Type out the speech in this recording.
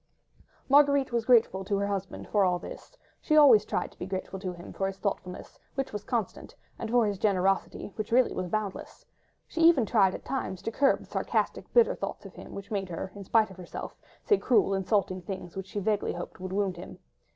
Marguerite was grateful to her husband for all this; she always tried to be grateful to him for his thoughtfulness, which was constant, and for his generosity, which really was boundless. She tried even at times to curb the sarcastic, bitter thoughts of him, which made her—in spite of herself—say cruel, insulting things, which she vaguely hoped would wound him.